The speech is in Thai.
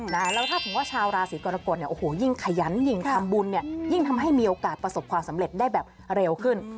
แล้วถ้าสมมุติว่าชาวราศีกรกฎเนี่ยโอ้โหยิ่งขยันยิ่งทำบุญเนี่ยยิ่งทำให้มีโอกาสประสบความสำเร็จได้แบบเร็วขึ้น